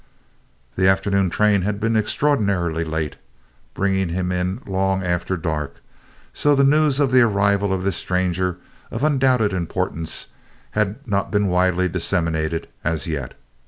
The afternoon train had been extraordinarily late, bringing him in long after dark, so the news of the arrival of this stranger of undoubted importance had not been widely disseminated as yet.